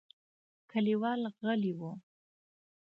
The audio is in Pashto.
کليوال غلي وو.